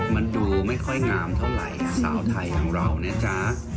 มันดูไม่ค่อยงามเท่าไหร่สาวไทยอย่างเรานะจ๊ะ